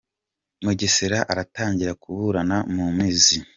Mugesera aratangira kuburana mu mizi